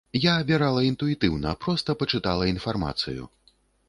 Я абірала інтуітыўна, проста пачытала інфармацыю.